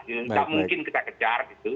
tidak mungkin kita kejar